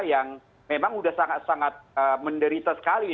yang memang sudah sangat sangat menderita sekali